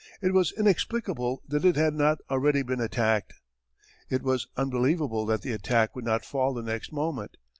It was inexplicable that it had not already been attacked. It was unbelievable that the attack would not fall the next moment.